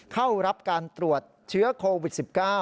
เข้ารับการตรวจเชื้อโควิด๑๙